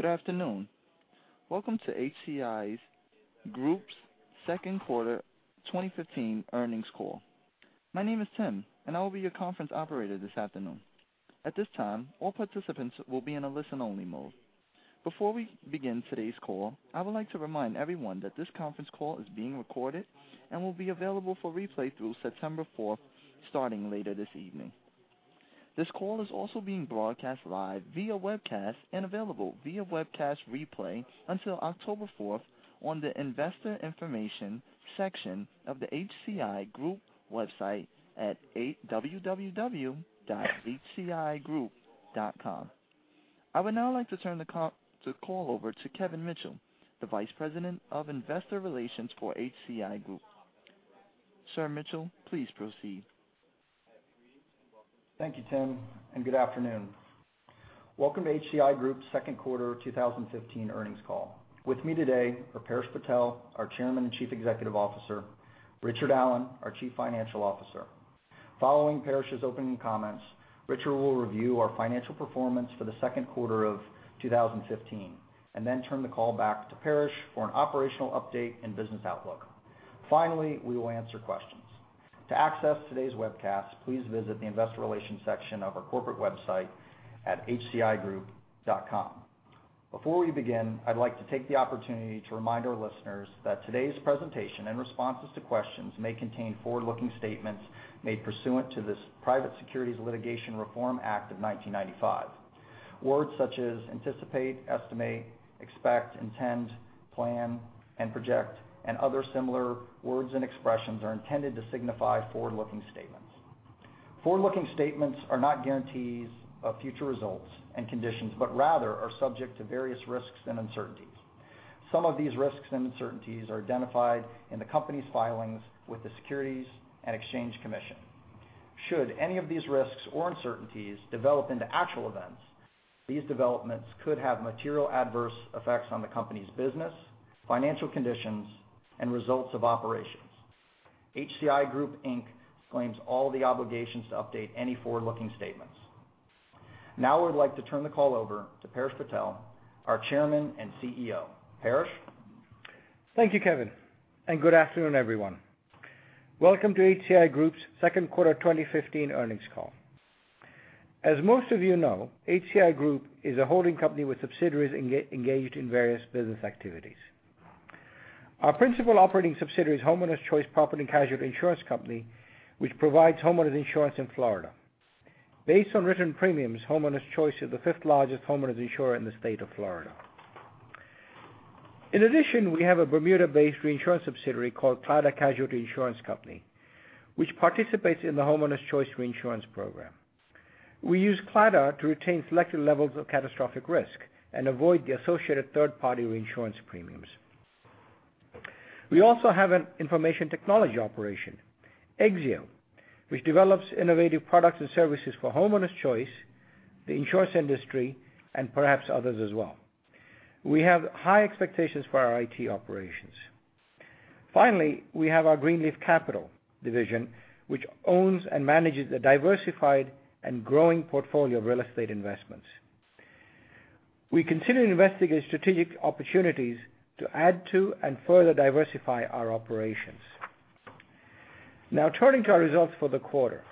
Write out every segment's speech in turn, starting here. Good afternoon. Welcome to HCI Group's second quarter 2015 earnings call. My name is Tim, and I will be your conference operator this afternoon. At this time, all participants will be in a listen-only mode. Before we begin today's call, I would like to remind everyone that this conference call is being recorded and will be available for replay through September 4th, starting later this evening. This call is also being broadcast live via webcast and available via webcast replay until October 4th on the investor information section of the HCI Group website at hcigroup.com. I would now like to turn the call over to Kevin Mitchell, the Vice President of Investor Relations for HCI Group. Sir Mitchell, please proceed. Thank you, Tim. Good afternoon. Welcome to HCI Group's second quarter 2015 earnings call. With me today are Paresh Patel, our Chairman and Chief Executive Officer, Richard Allen, our Chief Financial Officer. Following Paresh's opening comments, Richard will review our financial performance for the second quarter of 2015 and then turn the call back to Paresh for an operational update and business outlook. Finally, we will answer questions. To access today's webcast, please visit the investor relations section of our corporate website at hcigroup.com. Before we begin, I'd like to take the opportunity to remind our listeners that today's presentation and responses to questions may contain forward-looking statements made pursuant to this Private Securities Litigation Reform Act of 1995. Words such as 'anticipate,' 'estimate,' 'expect,' 'intend,' 'plan,' and 'project,' and other similar words and expressions are intended to signify forward-looking statements. Forward-looking statements are not guarantees of future results and conditions, but rather are subject to various risks and uncertainties. Some of these risks and uncertainties are identified in the company's filings with the Securities and Exchange Commission. Should any of these risks or uncertainties develop into actual events, these developments could have material adverse effects on the company's business, financial conditions, and results of operations. HCI Group Inc. disclaims all the obligations to update any forward-looking statements. Now I would like to turn the call over to Paresh Patel, our Chairman and CEO. Paresh? Thank you, Kevin. Good afternoon, everyone. Welcome to HCI Group's second quarter 2015 earnings call. As most of you know, HCI Group is a holding company with subsidiaries engaged in various business activities. Our principal operating subsidiary is Homeowners Choice Property & Casualty Insurance Company, which provides homeowners insurance in Florida. Based on written premiums, Homeowners Choice is the fifth largest homeowners insurer in the state of Florida. In addition, we have a Bermuda-based reinsurance subsidiary called Claddagh Casualty Insurance Company, which participates in the Homeowners Choice reinsurance program. We use Claddagh to retain selected levels of catastrophic risk and avoid the associated third-party reinsurance premiums. We also have an information technology operation, Exzeo, which develops innovative products and services for Homeowners Choice, the insurance industry, and perhaps others as well. We have high expectations for our IT operations. Finally, we have our Greenleaf Capital division, which owns and manages a diversified and growing portfolio of real estate investments. We continue to investigate strategic opportunities to add to and further diversify our operations. Turning to our results for the quarter.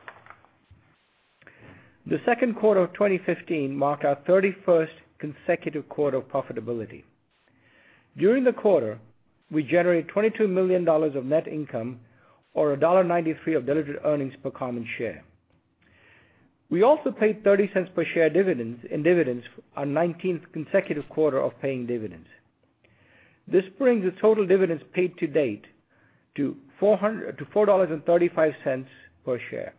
The second quarter of 2015 marked our 31st consecutive quarter of profitability. During the quarter, we generated $22 million of net income or $1.93 of diluted earnings per common share. We also paid $0.30 per share in dividends, our 19th consecutive quarter of paying dividends. This brings the total dividends paid to date to $4.35 per share.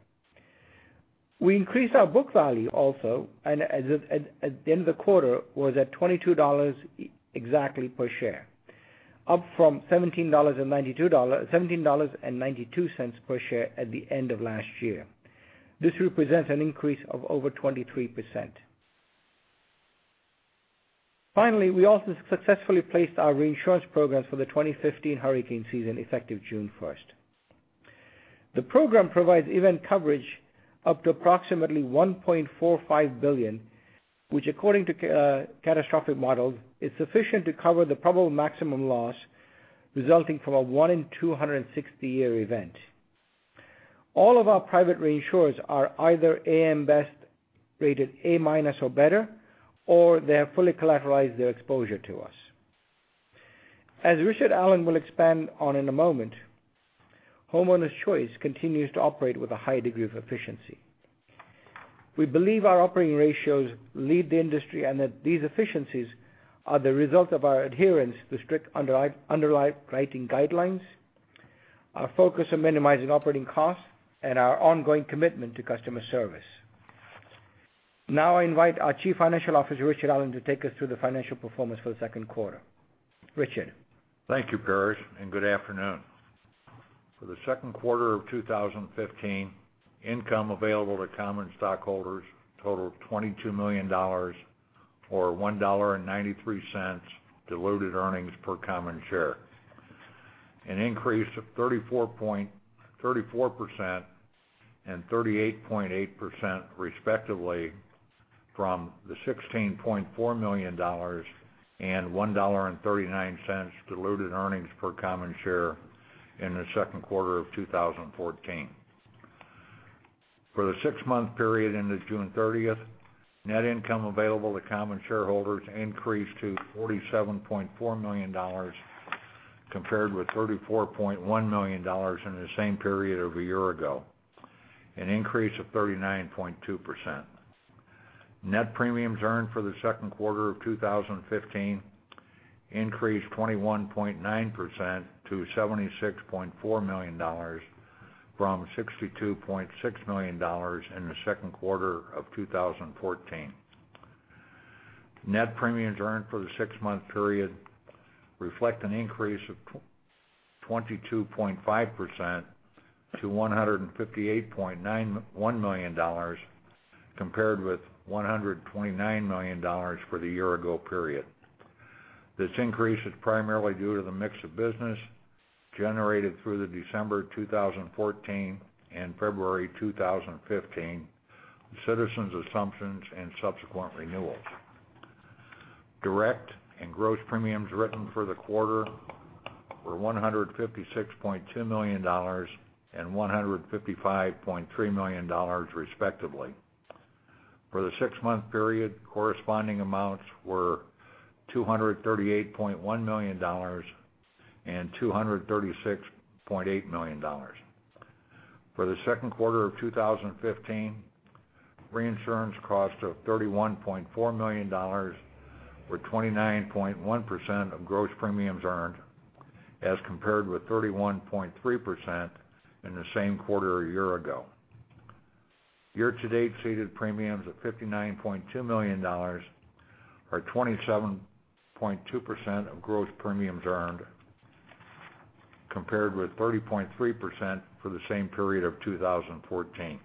We increased our book value also, and at the end of the quarter was at $22 exactly per share, up from $17.92 per share at the end of last year. This represents an increase of over 23%. Finally, we also successfully placed our reinsurance programs for the 2015 hurricane season effective June 1st. The program provides event coverage up to approximately $1.45 billion, which according to catastrophic models, is sufficient to cover the probable maximum loss resulting from a one in 260 year event. All of our private reinsurers are either AM Best rated A-minus or better, or they have fully collateralized their exposure to us. As Richard Allen will expand on in a moment, Homeowners Choice continues to operate with a high degree of efficiency. We believe our operating ratios lead the industry and that these efficiencies are the result of our adherence to strict underwriting guidelines, our focus on minimizing operating costs, and our ongoing commitment to customer service. I invite our Chief Financial Officer, Richard Allen, to take us through the financial performance for the second quarter. Richard? Thank you, Paresh, and good afternoon. For the second quarter of 2015, income available to common stockholders totaled $22 million or $1.93 diluted earnings per common share. An increase of 34% and 38.8% respectively from the $16.4 million and $1.39 diluted earnings per common share in the second quarter of 2014. For the six-month period ended June 30th, net income available to common shareholders increased to $47.4 million compared with $34.1 million in the same period of a year ago, an increase of 39.2%. Net premiums earned for the second quarter of 2015 increased 21.9% to $76.4 million from $62.6 million in the second quarter of 2014. Net premiums earned for the six-month period reflect an increase of 22.5% to $158.91 million, compared with $129 million for the year-ago period. This increase is primarily due to the mix of business generated through the December 2014 and February 2015 Citizens' assumptions and subsequent renewals. Direct and gross premiums written for the quarter were $156.2 million and $155.3 million respectively. For the six-month period, corresponding amounts were $238.1 million and $236.8 million. For the second quarter of 2015, reinsurance cost of $31.4 million or 29.1% of gross premiums earned as compared with 31.3% in the same quarter a year ago. Year-to-date ceded premiums of $59.2 million are 27.2% of gross premiums earned, compared with 30.3% for the same period of 2014.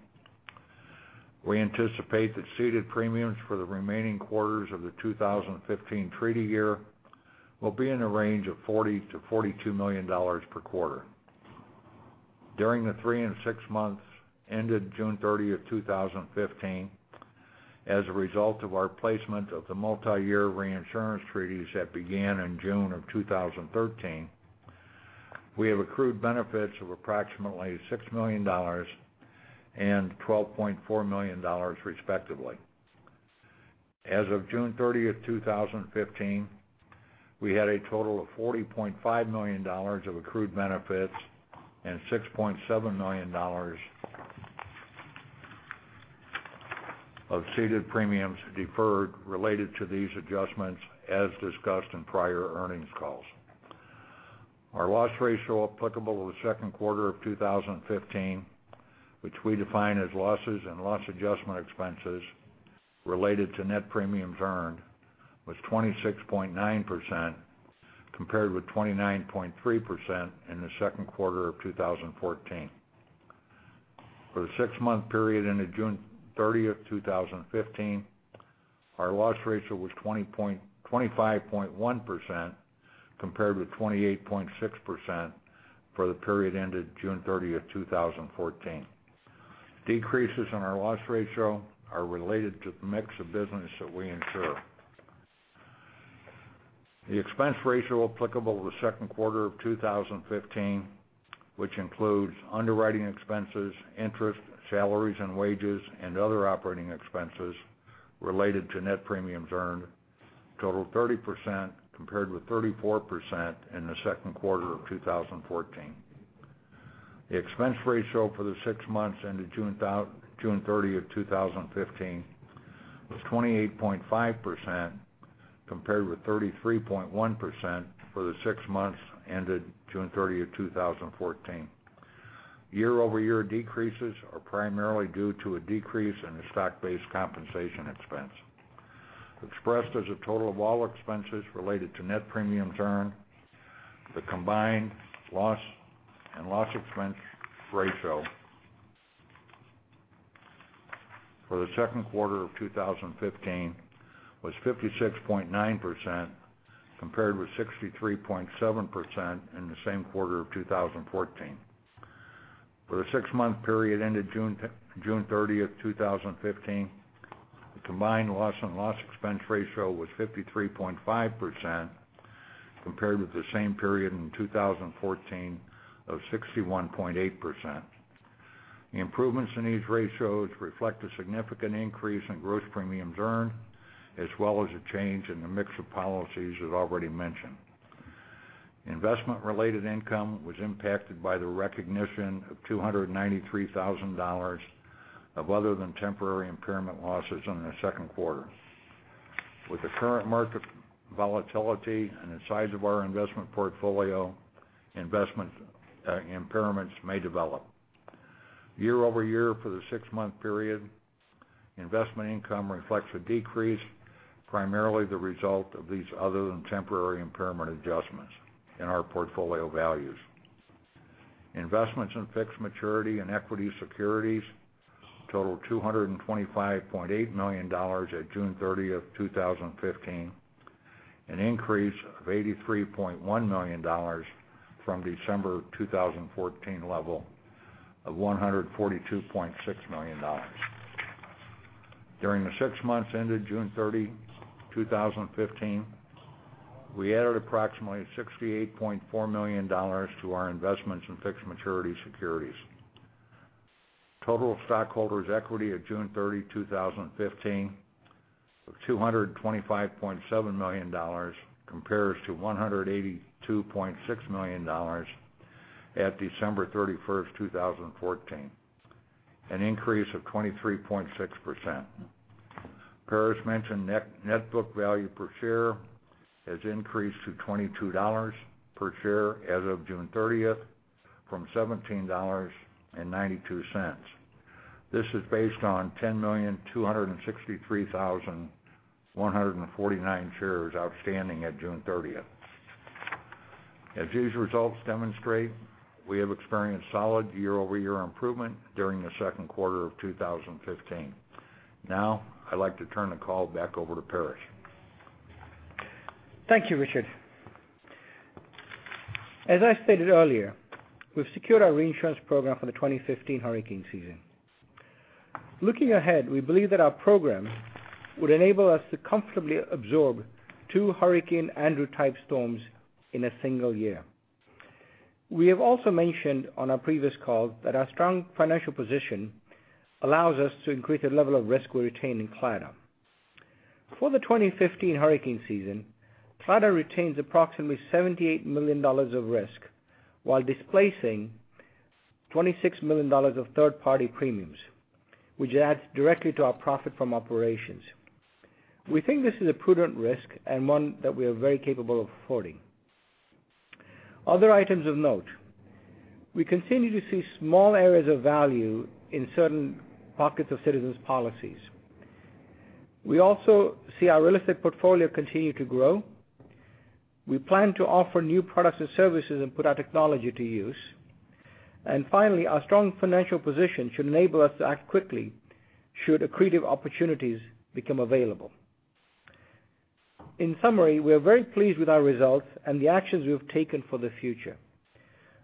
We anticipate that ceded premiums for the remaining quarters of the 2015 treaty year will be in the range of $40 million-$42 million per quarter. During the three and six months ended June 30th, 2015, as a result of our placement of the multi-year reinsurance treaties that began in June of 2013, we have accrued benefits of approximately $6 million and $12.4 million respectively. As of June 30th, 2015, we had a total of $40.5 million of accrued benefits and $6.7 million of ceded premiums deferred related to these adjustments as discussed in prior earnings calls. Our loss ratio applicable to the second quarter of 2015, which we define as losses and loss adjustment expenses related to net premiums earned, was 26.9%, compared with 29.3% in the second quarter of 2014. For the six-month period ended June 30th, 2015, our loss ratio was 25.1%, compared with 28.6% for the period ended June 30th, 2014. Decreases in our loss ratio are related to the mix of business that we insure. The expense ratio applicable to the second quarter of 2015, which includes underwriting expenses, interest, salaries and wages, and other operating expenses related to net premiums earned, totaled 30%, compared with 34% in the second quarter of 2014. The expense ratio for the six months ended June 30th, 2015, was 28.5%, compared with 33.1% for the six months ended June 30th, 2014. Year-over-year decreases are primarily due to a decrease in the stock-based compensation expense. Expressed as a total of all expenses related to net premiums earned, the combined loss and loss expense ratio for the second quarter of 2015 was 56.9%, compared with 63.7% in the same quarter of 2014. For the six-month period ended June 30th, 2015, the combined loss and loss expense ratio was 53.5%, compared with the same period in 2014 of 61.8%. The improvements in these ratios reflect a significant increase in gross premiums earned, as well as a change in the mix of policies as already mentioned. Investment-related income was impacted by the recognition of $293,000 of other than temporary impairment losses in the second quarter. With the current market volatility and the size of our investment portfolio, investment impairments may develop. Year-over-year for the six-month period, investment income reflects a decrease, primarily the result of these other than temporary impairment adjustments in our portfolio values. Investments in fixed maturity and equity securities total $225.8 million at June 30th, 2015, an increase of $83.1 million from December 2014 level of $142.6 million. During the six months ended June 30, 2015, we added approximately $68.4 million to our investments in fixed maturity securities. Total stockholders' equity at June 30, 2015, of $225.7 million compares to $182.6 million at December 31st, 2014, an increase of 23.6%. Paresh mentioned net book value per share has increased to $22 per share as of June 30th from $17.92. This is based on 10,263,149 shares outstanding at June 30th. As these results demonstrate, we have experienced solid year-over-year improvement during the second quarter of 2015. I'd like to turn the call back over to Paresh. Thank you, Richard. As I stated earlier, we've secured our reinsurance program for the 2015 hurricane season. Looking ahead, we believe that our program would enable us to comfortably absorb 2 Hurricane Andrew type storms in a single year. We have also mentioned on our previous call that our strong financial position allows us to increase the level of risk we retain in Claddagh. For the 2015 hurricane season, Claddagh retains approximately $78 million of risk while displacing $26 million of third-party premiums, which adds directly to our profit from operations. We think this is a prudent risk and one that we are very capable of affording. Other items of note, we continue to see small areas of value in certain pockets of Citizens policies. We also see our real estate portfolio continue to grow. We plan to offer new products and services and put our technology to use. Finally, our strong financial position should enable us to act quickly should accretive opportunities become available. In summary, we are very pleased with our results and the actions we have taken for the future.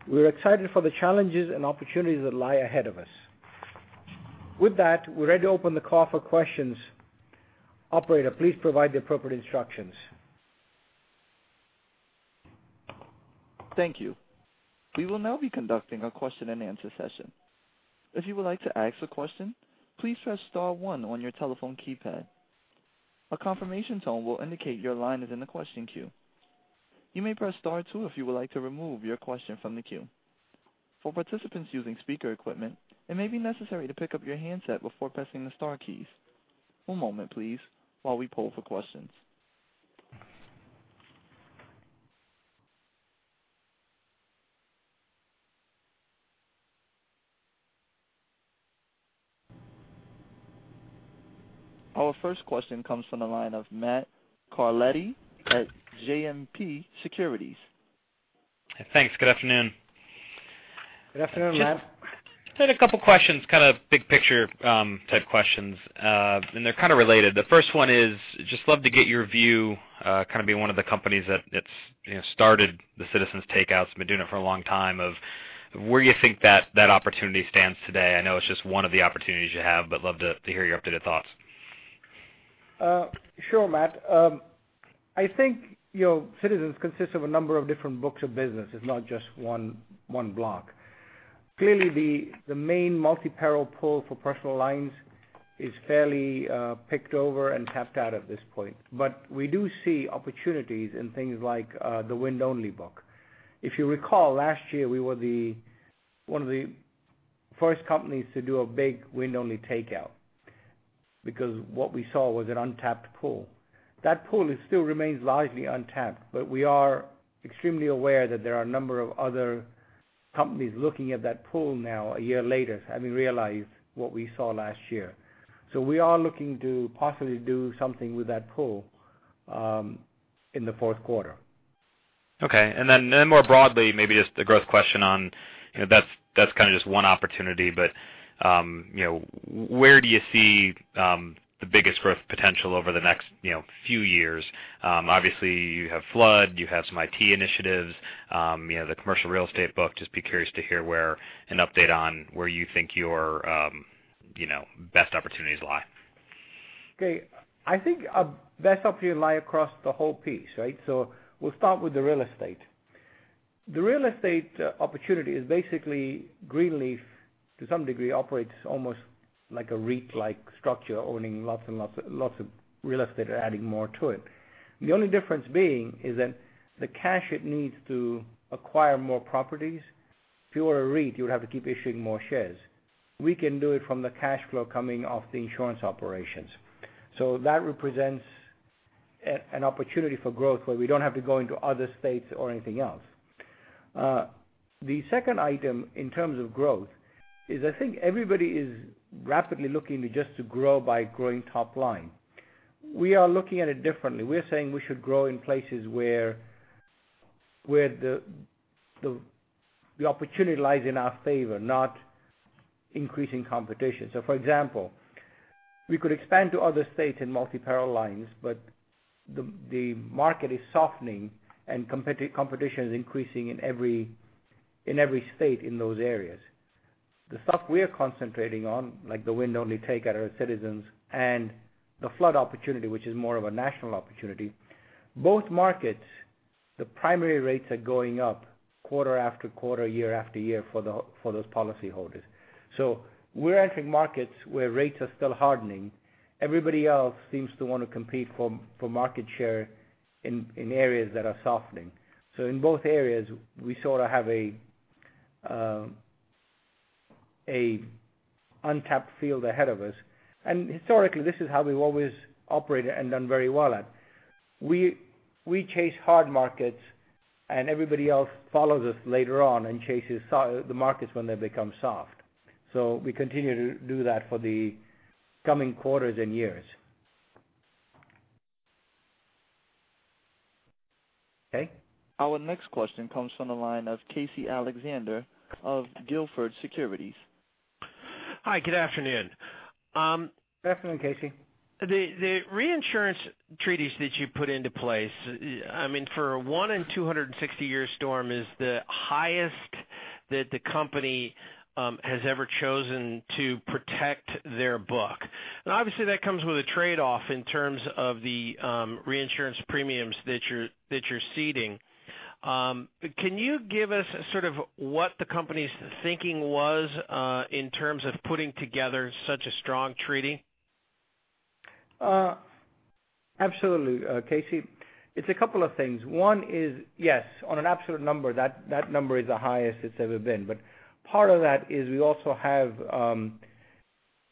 We are excited for the challenges and opportunities that lie ahead of us. With that, we're ready to open the call for questions. Operator, please provide the appropriate instructions. Thank you. We will now be conducting a question and answer session. If you would like to ask a question, please press star one on your telephone keypad. A confirmation tone will indicate your line is in the question queue. You may press star two if you would like to remove your question from the queue. For participants using speaker equipment, it may be necessary to pick up your handset before pressing the star keys. One moment, please, while we poll for questions. Our first question comes from the line of Matt Carletti at JMP Securities. Thanks. Good afternoon. Good afternoon, Matt. Just had a couple questions, kind of big picture type questions. They're kind of related. The first one is, just love to get your view, kind of being one of the companies that's started the Citizens takeouts, been doing it for a long time of where you think that opportunity stands today. I know it's just one of the opportunities you have, but love to hear your up-to-date thoughts. Sure, Matt. I think Citizens consists of a number of different books of business. It's not just one block. Clearly, the main multi-peril pool for personal lines is fairly picked over and tapped out at this point. We do see opportunities in things like the wind-only book. If you recall, last year we were one of the first companies to do a big wind-only takeout because what we saw was an untapped pool. That pool still remains largely untapped, we are extremely aware that there are a number of other companies looking at that pool now a year later, having realized what we saw last year. We are looking to possibly do something with that pool in the fourth quarter. Then more broadly, maybe just a growth question on, that's kind of just one opportunity, but where do you see the biggest growth potential over the next few years? Obviously, you have flood, you have some IT initiatives, the commercial real estate book. Just be curious to hear where an update on where you think your best opportunities lie. Okay. I think our best opportunities lie across the whole piece, right? We'll start with the real estate. The real estate opportunity is basically Greenleaf, to some degree, operates almost like a REIT-like structure, owning lots and lots of real estate and adding more to it. The only difference being is that the cash it needs to acquire more properties, if you were a REIT, you would have to keep issuing more shares. We can do it from the cash flow coming off the insurance operations. That represents an opportunity for growth where we don't have to go into other states or anything else. The second item in terms of growth is I think everybody is rapidly looking just to grow by growing top line. We are looking at it differently. We're saying we should grow in places where the opportunity lies in our favor, not increasing competition. For example, we could expand to other states in multi-peril lines, but the market is softening and competition is increasing in every state in those areas. The stuff we are concentrating on, like the wind-only takeout at Citizens, and the flood opportunity, which is more of a national opportunity, both markets, the primary rates are going up quarter after quarter, year after year for those policyholders. We're entering markets where rates are still hardening. Everybody else seems to want to compete for market share in areas that are softening. In both areas, we sort of have a untapped field ahead of us. Historically, this is how we've always operated and done very well at. We chase hard markets, and everybody else follows us later on and chases the markets when they become soft. We continue to do that for the coming quarters and years. Okay. Our next question comes from the line of Casey Alexander of Gilford Securities. Hi, good afternoon. Afternoon, Casey. The reinsurance treaties that you put into place, for a one in 260-year storm, is the highest that the company has ever chosen to protect their book. Obviously, that comes with a trade-off in terms of the reinsurance premiums that you're ceding. Can you give us sort of what the company's thinking was, in terms of putting together such a strong treaty? Absolutely, Casey. It's a couple of things. One is, yes, on an absolute number, that number is the highest it's ever been. Part of that is we also have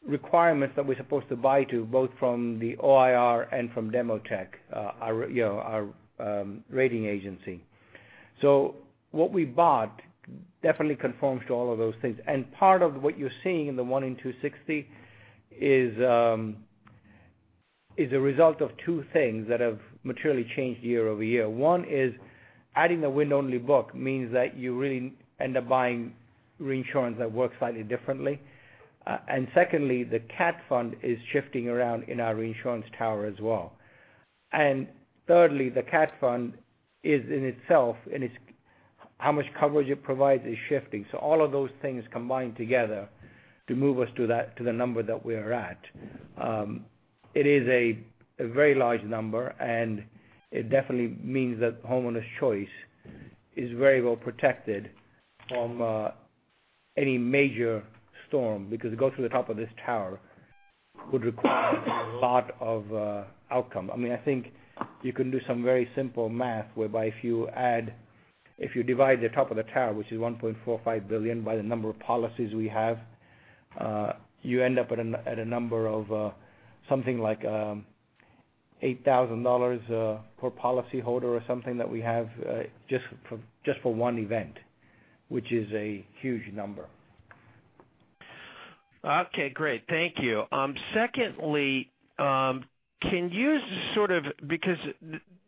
requirements that we're supposed to buy to, both from the OIR and from Demotech, our rating agency. What we bought definitely conforms to all of those things. Part of what you're seeing in the one in 260 is a result of two things that have materially changed year-over-year. One is adding the wind-only book means that you really end up buying reinsurance that works slightly differently. Secondly, the cat fund is shifting around in our reinsurance tower as well. Thirdly, the cat fund is in itself, and how much coverage it provides is shifting. All of those things combine together to move us to the number that we are at. It is a very large number. It definitely means that Homeowners Choice is very well protected from any major storm, because to go through the top of this tower would require a lot of outcome. I think you can do some very simple math whereby if you divide the top of the tower, which is $1.45 billion, by the number of policies we have, you end up at a number of something like $8,000 per policyholder or something that we have, just for one event, which is a huge number. Okay, great. Thank you. Secondly, because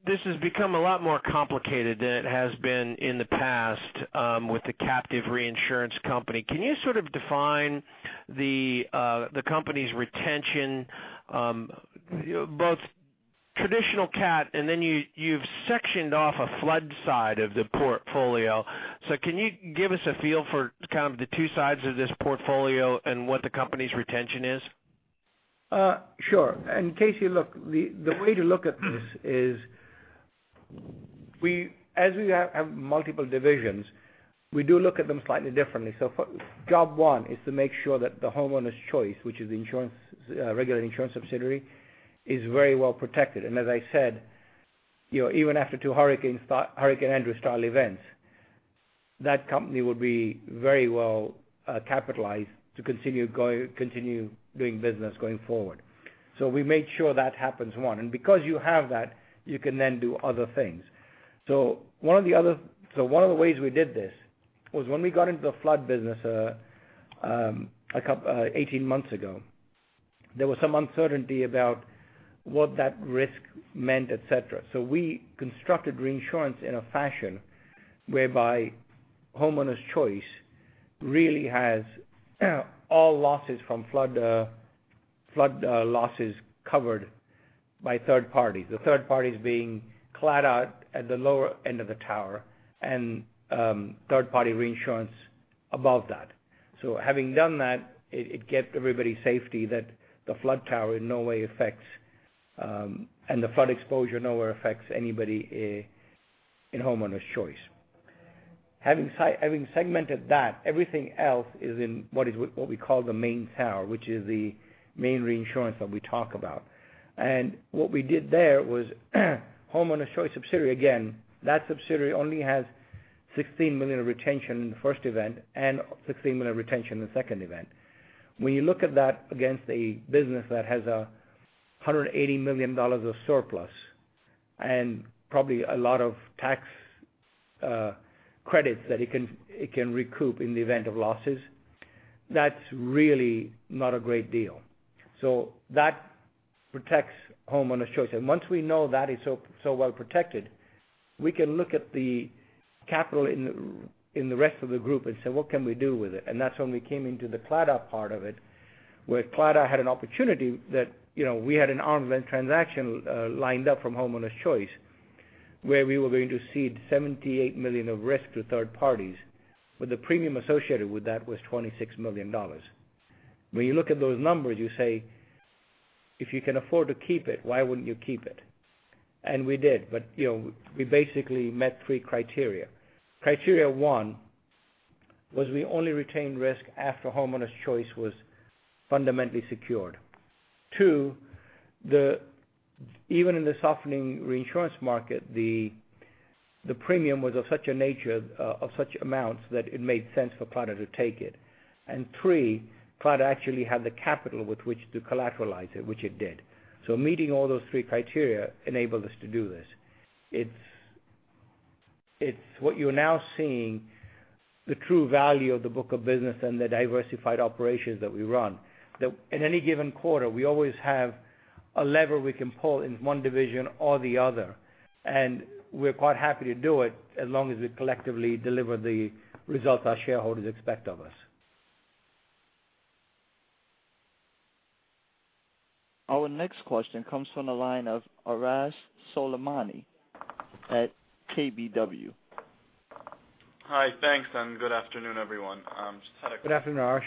this has become a lot more complicated than it has been in the past with the captive reinsurance company, can you sort of define the company's retention, both traditional cat, and then you've sectioned off a flood side of the portfolio. Can you give us a feel for kind of the two sides of this portfolio and what the company's retention is? Sure. Casey, look, the way to look at this is, as we have multiple divisions, we do look at them slightly differently. Job one is to make sure that the Homeowners Choice, which is the regular insurance subsidiary, is very well protected. As I said, even after two Hurricane Andrew style events, that company would be very well capitalized to continue doing business going forward. We made sure that happens, one. Because you have that, you can then do other things. One of the ways we did this was when we got into the flood business 18 months ago, there was some uncertainty about what that risk meant, et cetera. We constructed reinsurance in a fashion whereby Homeowners Choice really has all losses from flood losses covered by third parties. The third party is being Claddagh at the lower end of the tower, and third party reinsurance above that. Having done that, it gets everybody safety that the flood tower in no way affects, and the flood exposure nowhere affects anybody in Homeowners Choice. Having segmented that, everything else is in what we call the main tower, which is the main reinsurance that we talk about. What we did there was Homeowners Choice subsidiary, again, that subsidiary only has $16 million of retention in the first event and $16 million of retention in the second event. When you look at that against a business that has $180 million of surplus and probably a lot of tax credits that it can recoup in the event of losses That's really not a great deal. That protects Homeowners Choice. Once we know that is so well protected, we can look at the capital in the rest of the group and say, "What can we do with it?" That's when we came into the Claddagh part of it, where Claddagh had an opportunity that we had an arm's length transaction lined up from Homeowners Choice, where we were going to cede $78 million of risk to third parties, but the premium associated with that was $26 million. When you look at those numbers, you say, if you can afford to keep it, why wouldn't you keep it? We did. We basically met three criteria. Criteria one, was we only retained risk after Homeowners Choice was fundamentally secured. Two, even in the softening reinsurance market, the premium was of such amounts that it made sense for Claddagh to take it. Three, Claddagh actually had the capital with which to collateralize it, which it did. Meeting all those three criteria enabled us to do this. What you're now seeing, the true value of the book of business and the diversified operations that we run. That in any given quarter, we always have a lever we can pull in one division or the other, and we're quite happy to do it as long as we collectively deliver the results our shareholders expect of us. Our next question comes from the line of Arash Soleimani at KBW. Hi. Thanks, good afternoon, everyone. Good afternoon, Arash.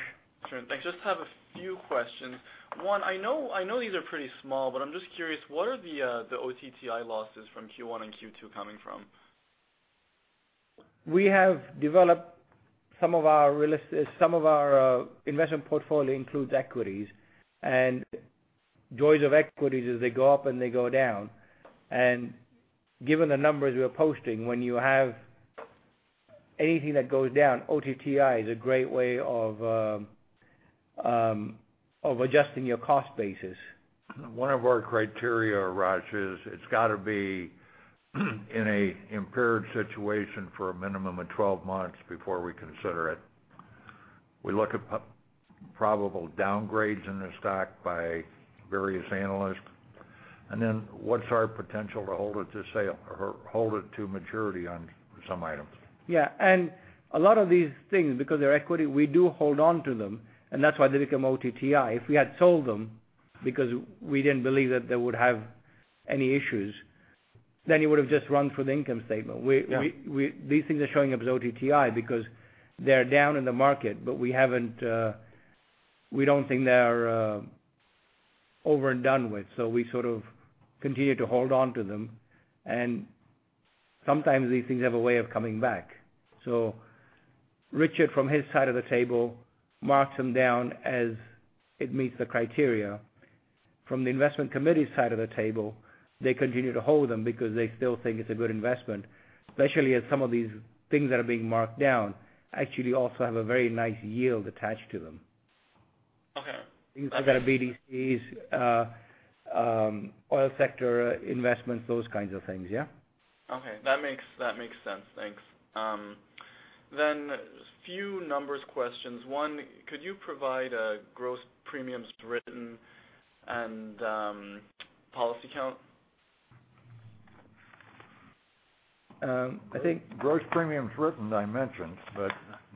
Sure. Thanks. Just have a few questions. One, I know these are pretty small, but I'm just curious, what are the OTTI losses from Q1 and Q2 coming from? Some of our investment portfolio includes equities. Joys of equities is they go up, and they go down. Given the numbers we are posting, when you have anything that goes down, OTTI is a great way of adjusting your cost basis. One of our criteria, Arash, is it's got to be in an impaired situation for a minimum of 12 months before we consider it. We look at probable downgrades in the stock by various analysts, and then what's our potential to hold it to sale or hold it to maturity on some items. Yeah. A lot of these things, because they're equity, we do hold on to them, and that's why they become OTTI. If we had sold them because we didn't believe that they would have any issues, then it would've just run through the income statement. Yeah. These things are showing up as OTTI because they're down in the market, we don't think they are over and done with, we sort of continue to hold on to them. Sometimes these things have a way of coming back. Richard, from his side of the table, marks them down as it meets the criteria. From the investment committee side of the table, they continue to hold them because they still think it's a good investment, especially as some of these things that are being marked down actually also have a very nice yield attached to them. Okay. Things like BDCs, oil sector investments, those kinds of things. Yeah. Okay. That makes sense. Thanks. A few numbers questions. One, could you provide gross premiums written and policy count? I think- Gross premiums written I mentioned, but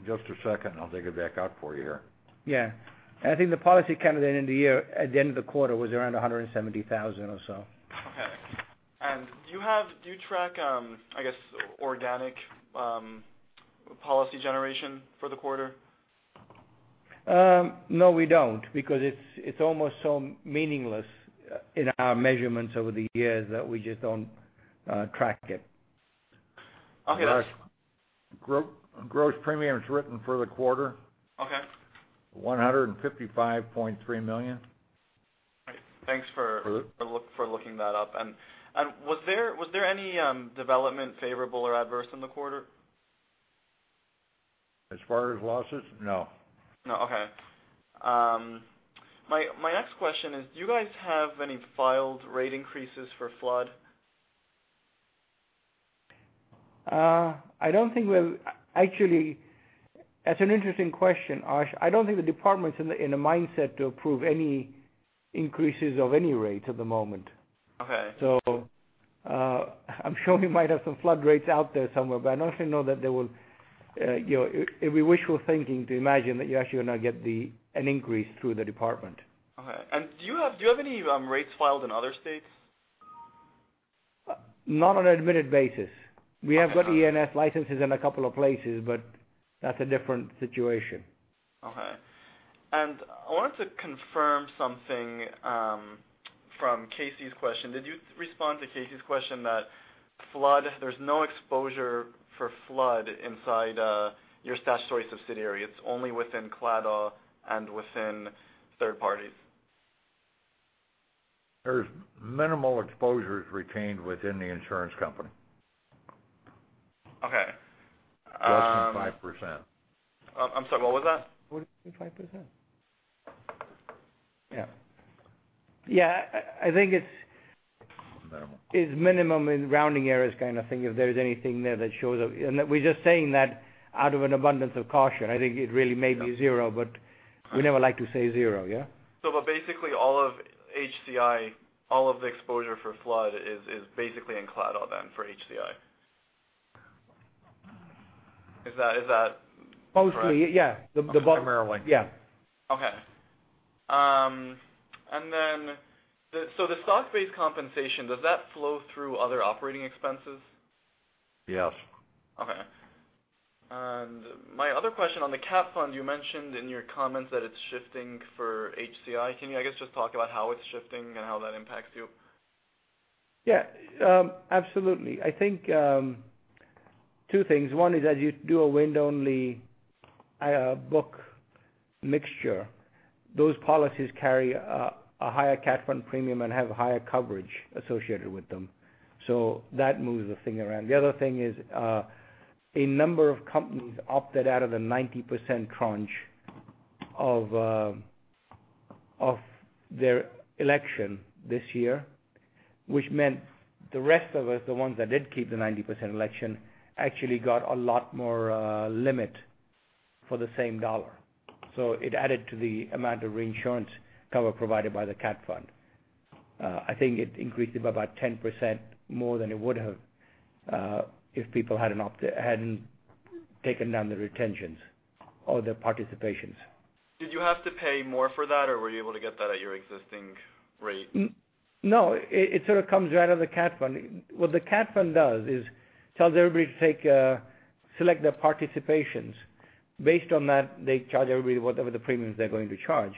just a second, I'll dig it back out for you here. Yeah. I think the policy count at the end of the quarter was around 170,000 or so. Okay. Do you track, I guess, organic policy generation for the quarter? No, we don't because it's almost so meaningless in our measurements over the years that we just don't track it. Okay. That's. Arash, gross premiums written for the quarter? Okay $155.3 million. Great. looking that up. Was there any development, favorable or adverse, in the quarter? As far as losses? No. No. Okay. My next question is, do you guys have any filed rate increases for flood? Actually, that's an interesting question, Arash. I don't think the department's in a mindset to approve any increases of any rate at the moment. Okay. I'm sure we might have some flood rates out there somewhere, but it'd be wishful thinking to imagine that you actually are going to get an increase through the department. Okay. Do you have any rates filed in other states? Not on an admitted basis. Okay. We have got E&S licenses in a couple of places, that's a different situation. Okay. I wanted to confirm something from Casey's question. Did you respond to Casey's question that there's no exposure for flood inside your statutory subsidiary? It's only within Claddagh and within third parties. There's minimal exposures retained within the insurance company. Okay. Less than 5%. I'm sorry, what was that? Less than 5%. Yeah. I think it's- Minimum it's minimum in rounding errors kind of thing. If there's anything there that shows up. We're just saying that out of an abundance of caution. I think it really may be zero, but we never like to say zero, yeah? Basically all of HCI, all of the exposure for flood is basically in Claddagh then for HCI. Is that correct? Mostly, yeah. Primarily. Yeah. Okay. The stock-based compensation, does that flow through other operating expenses? Yes. Okay. My other question on the cat fund, you mentioned in your comments that it's shifting for HCI. Can you, I guess, just talk about how it's shifting and how that impacts you? Yeah. Absolutely. I think two things. One is as you do a wind-only book mixture, those policies carry a higher cat fund premium and have higher coverage associated with them. That moves the thing around. The other thing is, a number of companies opted out of the 90% crunch of their election this year, which meant the rest of us, the ones that did keep the 90% election, actually got a lot more limit for the same dollar. It added to the amount of reinsurance cover provided by the cat fund. I think it increased it by about 10% more than it would have, if people hadn't taken down the retentions or their participations. Did you have to pay more for that, or were you able to get that at your existing rate? No, it sort of comes right out of the cat fund. What the cat fund does is tells everybody to select their participations. Based on that, they charge everybody whatever the premiums they're going to charge.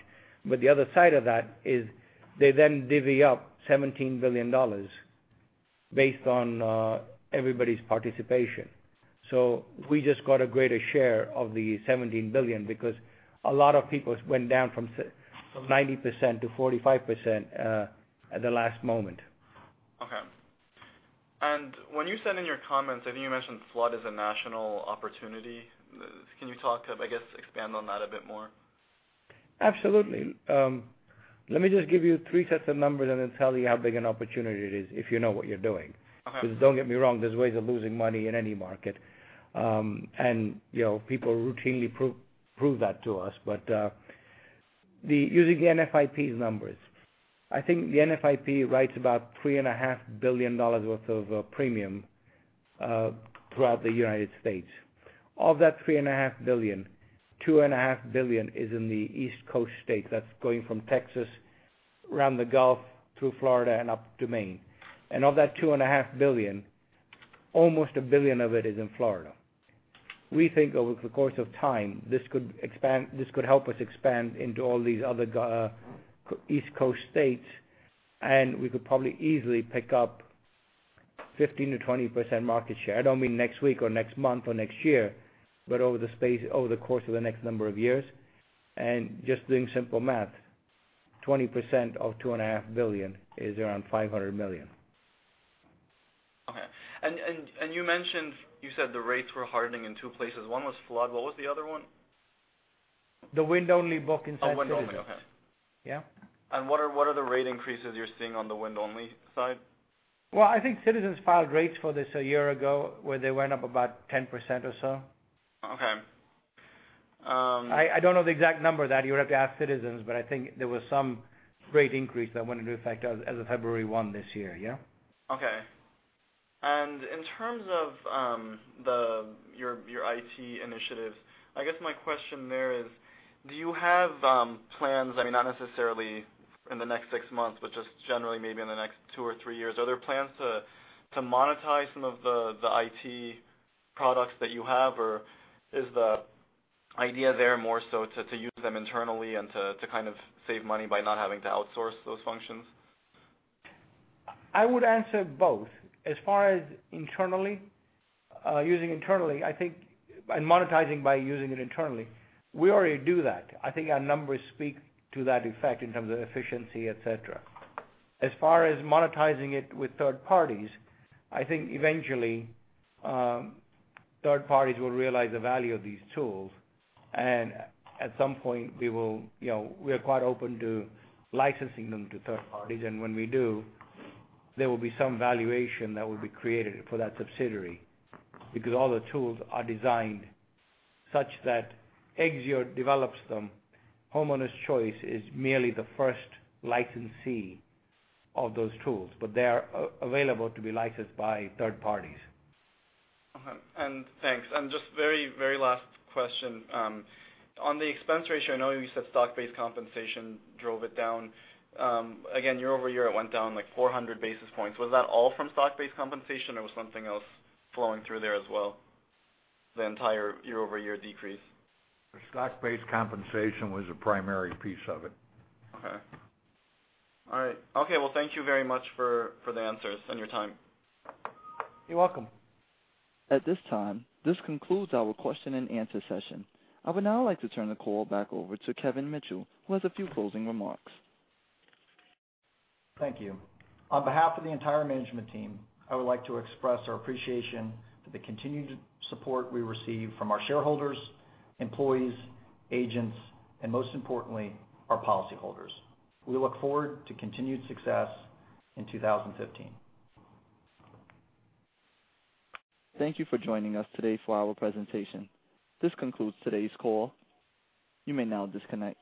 The other side of that is they then divvy up $17 billion based on everybody's participation. We just got a greater share of the $17 billion because a lot of people went down from 90% to 45% at the last moment. Okay. When you said in your comments, I think you mentioned flood is a national opportunity. Can you talk, I guess, expand on that a bit more? Absolutely. Let me just give you three sets of numbers then tell you how big an opportunity it is if you know what you're doing. Okay. Don't get me wrong, there's ways of losing money in any market. People routinely prove that to us. Using the NFIP's numbers, I think the NFIP writes about $3.5 billion worth of premium throughout the United States. Of that $3.5 billion, $2.5 billion is in the East Coast states. That's going from Texas, around the Gulf, through Florida and up to Maine. Of that $2.5 billion, almost $1 billion of it is in Florida. We think over the course of time, this could help us expand into all these other East Coast states, we could probably easily pick up 15%-20% market share. I don't mean next week or next month or next year, but over the course of the next number of years. Just doing simple math, 20% of $2.5 billion is around $500 million. Okay. You mentioned the rates were hardening in two places. One was flood. What was the other one? The wind-only book inside Citizens. Oh, wind-only. Okay. Yeah. What are the rate increases you're seeing on the wind-only side? Well, I think Citizens filed rates for this a year ago, where they went up about 10% or so. Okay. I don't know the exact number that you would have to ask Citizens, but I think there was some rate increase that went into effect as of February 1 this year, yeah? Okay. In terms of your IT initiatives, I guess my question there is, do you have plans, not necessarily in the next 6 months, but just generally maybe in the next 2 or 3 years, are there plans to monetize some of the IT products that you have? Or is the idea there more so to use them internally and to kind of save money by not having to outsource those functions? I would answer both. As far as internally, using internally, I think, and monetizing by using it internally, we already do that. I think our numbers speak to that effect in terms of efficiency, et cetera. As far as monetizing it with third parties, I think eventually, third parties will realize the value of these tools, and at some point, we are quite open to licensing them to third parties. When we do, there will be some valuation that will be created for that subsidiary because all the tools are designed such that Exzeo develops them. Homeowners Choice is merely the first licensee of those tools, but they are available to be licensed by third parties. Okay. Thanks. Just very last question. On the expense ratio, I know you said stock-based compensation drove it down. Again, year-over-year, it went down like 400 basis points. Was that all from stock-based compensation or was something else flowing through there as well, the entire year-over-year decrease? The stock-based compensation was a primary piece of it. Okay. All right. Okay. Well, thank you very much for the answers and your time. You're welcome. At this time, this concludes our question and answer session. I would now like to turn the call back over to Kevin Mitchell, who has a few closing remarks. Thank you. On behalf of the entire management team, I would like to express our appreciation for the continued support we receive from our shareholders, employees, agents, and most importantly, our policyholders. We look forward to continued success in 2015. Thank you for joining us today for our presentation. This concludes today's call. You may now disconnect.